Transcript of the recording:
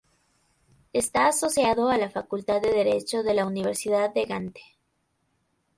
Está asociado a la Facultad de Derecho de la Universidad de Gante.